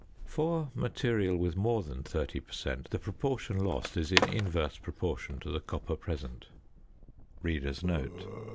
For material with more than 30 per cent. the proportion lost is in inverse proportion to the copper present.